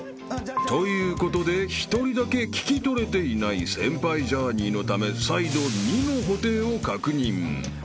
［ということで１人だけ聞き取れていない先輩ジャーニーのため再度弐の布袋を確認］